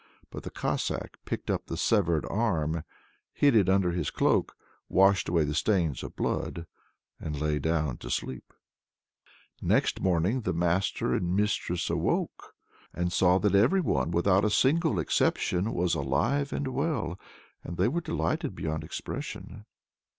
But the Cossack picked up the severed arm, hid it under his cloak, washed away the stains of blood, and lay down to sleep. Next morning the master and mistress awoke, and saw that everyone, without a single exception, was alive and well, and they were delighted beyond expression.